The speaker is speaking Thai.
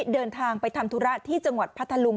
เดินทางไปทำธุระที่จังหวัดพัทธลุง